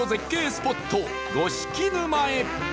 スポット五色沼へ